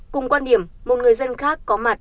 cùng quan điểm một người dân khác có mặt